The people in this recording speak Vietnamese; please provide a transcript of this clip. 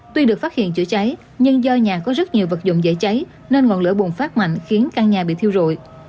tuy được phát hiện chữa cháy nhưng do nhà có rất nhiều vật dụng dễ cháy nên ngọn lửa bùng phát mạnh khiến căn nhà bị thiêu rụi